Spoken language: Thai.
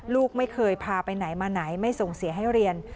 ลูกไม่เคยพาไปไหนมาไหนไม่ส่งเสียให้เรียน